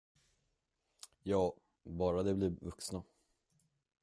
Ja, bara de blir vuxna.